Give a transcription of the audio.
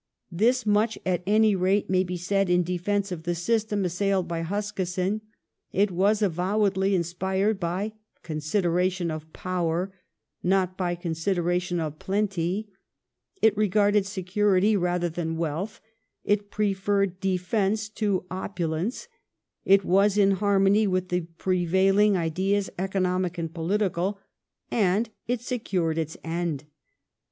^ This much at any rate may be said in defence of the system assailed by Huskisson : it was avowedly inspired by ''consideration of power," not by ''consideration of plenty "; it regarded security rather than wealth ; it preferred "defence to opulence"; it was in harmony with the prevailing ideas economic and political, and it secured its end.